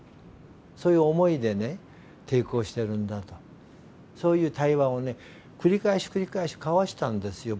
そういう思いでね抵抗してるんだとそういう対話を繰り返し繰り返し交わしたんですよ